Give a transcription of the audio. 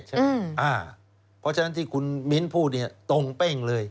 เพราะฉะนั้นคุณมิ้นท์พูดเนี่ยตรงเป้งเลย